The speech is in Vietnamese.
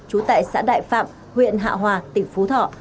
trú tại xã đại phạm huyện hạ hòa tỉnh phú thọ